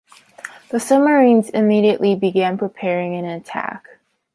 The submarines immediately began preparing an attack.